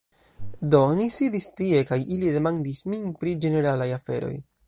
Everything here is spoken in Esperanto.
Do, ni sidis tie kaj ili demandis min pri ĝeneralaj aferoj